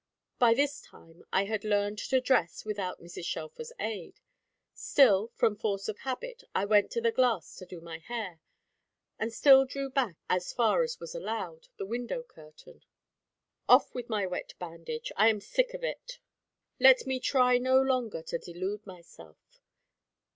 By this time I had learned to dress without Mrs. Shelfer's aid. Still, from force of habit I went to the glass to do my hair, and still drew back, as far as was allowed, the window curtain. Off with my wet bandage, I am sick of it; let me try no longer to delude myself.